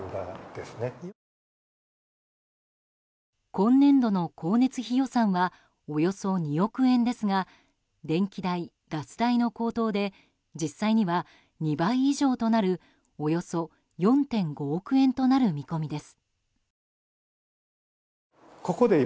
今年度の光熱費予算はおよそ２億円ですが電気代、ガス代の高騰で実際には２倍以上となるおよそ４．５億円となる見込みです。